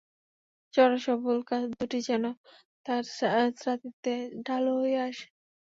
চওড়া সবল কাঁধদুটি যেন তাহার শ্রাত্তিতে ঢালু হইয়া আসে।